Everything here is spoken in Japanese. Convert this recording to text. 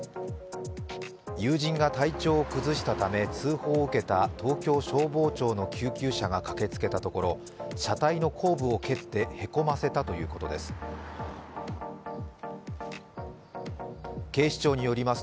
友人が体調を崩したため通報を受けた東京消防庁の救急車がかけつけたところ、車体の後部を蹴ってへこませたということです。